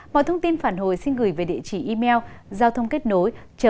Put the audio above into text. mọi thông tin phản hồi xin gửi về địa chỉ email giao thôngkếtnối thnja gov com